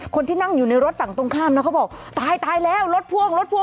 คนที่นั่งอยู่ในรถฝั่งตรงข้ามนะเขาบอกตายตายแล้วรถพ่วงรถพ่วง